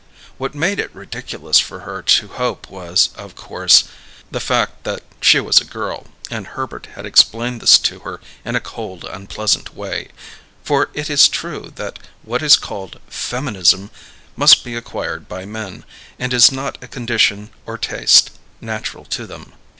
What made it ridiculous for her to hope was, of course, the fact that she was a girl, and Herbert had explained this to her in a cold, unpleasant way; for it is true that what is called "feminism" must be acquired by men, and is not a condition, or taste, natural to them.